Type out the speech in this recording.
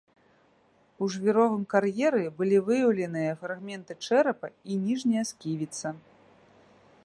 У жвіровым кар'еры былі выяўленыя фрагменты чэрапа і ніжняя сківіца.